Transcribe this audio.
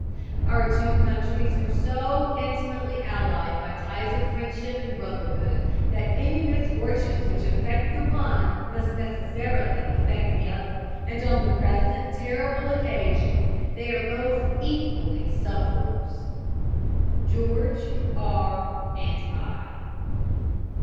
Our two countries are so intimately allied by ties of friendship and brotherhood that any misfortunes which affect the one must necessarily affect the other, and on the present terrible occasion they are both equally sufferers. "GEORGE R. AND I."